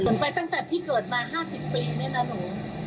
เหมือนไปตั้งแต่พี่เกิดมา๕๐ปีนี่นะหนู